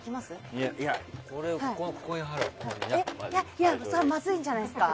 いやいやそれはまずいんじゃないですか？